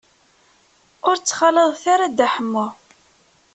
Ur ttxalaḍet ara Dda Ḥemmu.